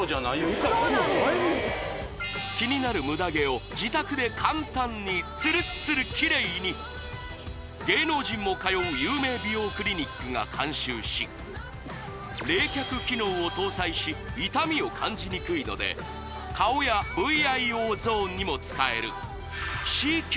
キニナルムダ毛を自宅で簡単につるっつるキレイに芸能人も通う有名美容クリニックが監修し冷却機能を搭載し痛みを感じにくいので顔やＶＩＯゾーンにも使えるＣＱ